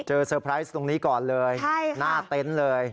เซอร์ไพรส์ตรงนี้ก่อนเลยหน้าเต็นต์เลย